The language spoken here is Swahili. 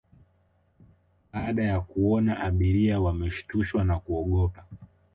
Baada ya kuona abiria wameshtushwa na kuogopa